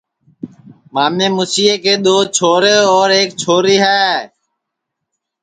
مامے موسیے جے دو چھورے اور ایک چھوری ہے